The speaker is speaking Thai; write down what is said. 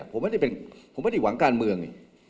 ผมไม่ได้หวังการเมือง